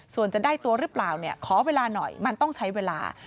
ส่วนจะได้ตัวหรือเปล่าเนี่ยขอเวลาหน่อยมันต้องใช้เวลา